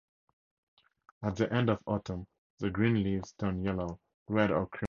At the end of autumn, the green leaves turn yellow, red or crimson.